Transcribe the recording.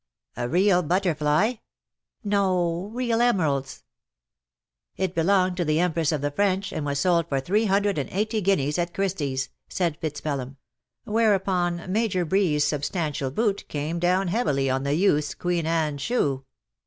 '' A real butterfly ?" "No, real emeralds." ^' It belonged to the Empress of the French, and was sold for three hundred and eighty guineas at Christie^s," said FitzPelham ; whereupon Major Breeds substantial boot came down heavily on the youtVs Queen Anne shoe.